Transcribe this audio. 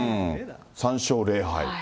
３勝０敗。